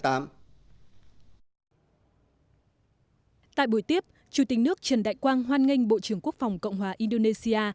tại buổi tiếp chủ tịch nước trần đại quang hoan nghênh bộ trưởng quốc phòng cộng hòa indonesia